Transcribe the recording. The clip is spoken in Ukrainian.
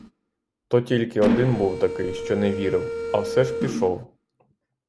То тільки один був такий, що не вірив, а все ж пішов.